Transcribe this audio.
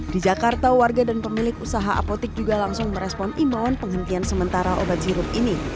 di jakarta warga dan pemilik usaha apotik juga langsung merespon imun penghentian sementara obat sirup ini